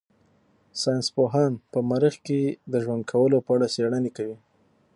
ساينس پوهان په مريخ کې د ژوند کولو په اړه څېړنې کوي.